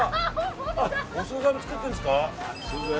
お総菜も作ってるんですか。